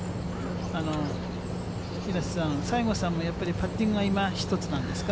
平瀬さん、西郷さんもやっぱり、パッティングがいまひとつなんですか？